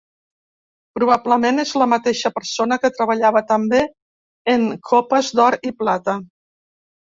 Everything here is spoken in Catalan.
Probablement és la mateixa persona que treballava també en copes d'or i plata.